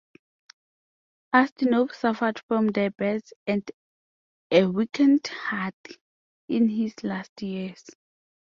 Ustinov suffered from diabetes and a weakened heart in his last years.